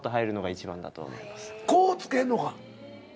こうつけんのか？